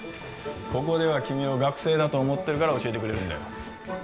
ここでは君を学生と思ってるから教えてくれるんだよ